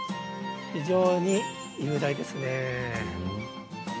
非常に雄大ですね。